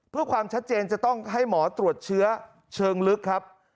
เพื่อความชัดเจนจะต้องให้หมอตรวจเชื้อเชิงลึกครับ